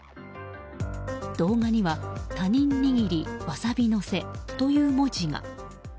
動画には「他人握りわさび乗せ」という文字が。